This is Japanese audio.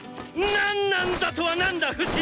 ⁉何なんだとは何だフシ！